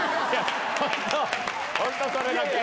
本当それだけ。